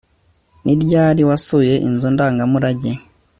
Ni ryari wasuye inzu ndangamurage